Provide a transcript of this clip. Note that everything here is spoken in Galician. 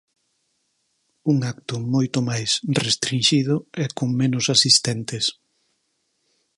Un acto moito máis restrinxido e con menos asistentes.